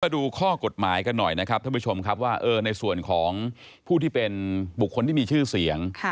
ดูข้อกฎหมายกันหน่อยนะครับท่านผู้ชมครับว่าในส่วนของผู้ที่เป็นบุคคลที่มีชื่อเสียง